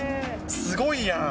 すごいや。